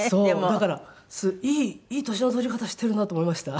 だからいい年の取り方してるなと思いました。